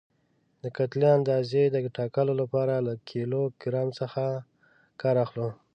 د کتلې اندازې د ټاکلو لپاره له کیلو ګرام څخه کار اخلو.